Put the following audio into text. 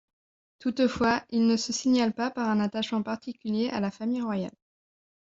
Toutefois, ils ne se signalent pas par un attachement particulier à la famille royale.